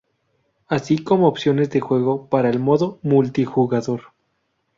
Así como opciones de juego para el modo multijugador.